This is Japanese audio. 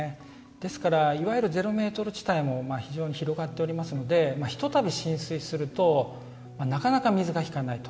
ですから、いわゆるゼロメートル地帯も非常に広がっておりますのでひとたび浸水するとなかなか水が引かないと。